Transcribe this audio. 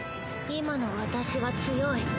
今の私は強い。